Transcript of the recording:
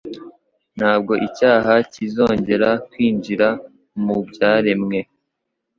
Ntabwo icyaha kizongera kwinjira mu byaremwe.